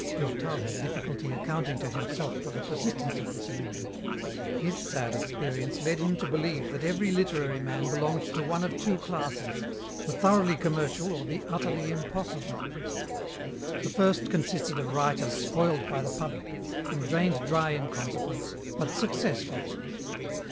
Durtal had difficulty accounting to himself for the persistence of this illusion. His sad experience led him to believe that every literary man belonged to one of two classes, the thoroughly commercial or the utterly impossible. The first consisted of writers spoiled by the public, and drained dry in consequence, but "successful."